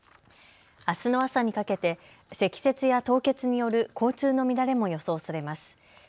あすの朝にかけて積雪や凍結による交通の乱れも予想されます。